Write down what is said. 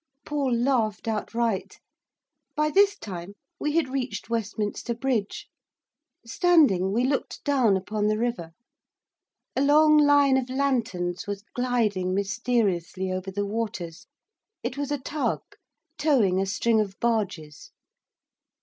Paul laughed outright. By this time we had reached Westminster Bridge. Standing, we looked down upon the river. A long line of lanterns was gliding mysteriously over the waters; it was a tug towing a string of barges.